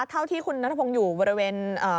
เท่าที่คุณนัทพงศ์อยู่บริเวณ